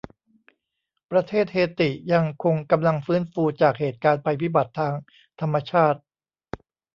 ประเทศเฮติยังคงกำลังฟื้นฟูจากเหตุการณ์ภัยพิบัติทางธรรมชาติ